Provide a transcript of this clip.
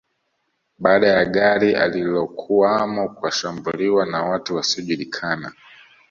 Baada ya gari alilokuwamo kushambuliwa na watu wasiojulikana